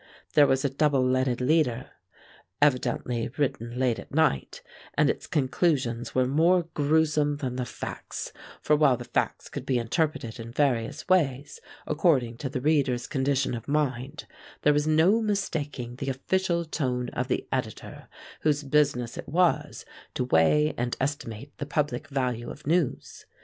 There was a double leaded leader, evidently written late at night, and its conclusions were more gruesome than the facts, for while the facts could be interpreted in various ways according to the reader's condition of mind, there was no mistaking the official tone of the editor whose business it was to weigh and estimate the public value of news.